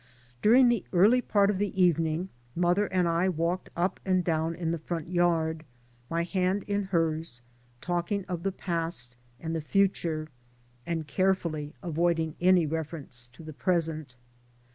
During the early part of the evening mother and I walked up and down in the front yard, my hand in hers, talking of the past and the future, and carefully avoiding any reference to the present.